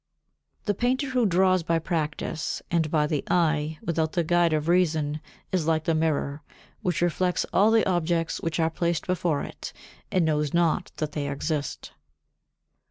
52. The painter who draws by practice and by the eye, without the guide of reason, is like the mirror, which reflects all the objects which are placed before it and knows not that they exist.